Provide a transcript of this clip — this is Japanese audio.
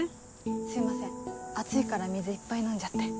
すいません暑いから水いっぱい飲んじゃって。